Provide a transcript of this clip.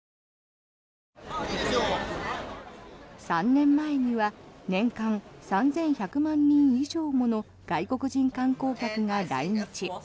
３年前には年間３１００万人以上もの外国人観光客が来日。